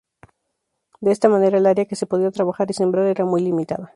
De esta manera, el área que se podía trabajar y sembrar era muy limitada.